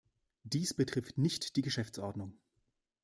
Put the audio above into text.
Dies betrifft nicht die Geschäftsordnung.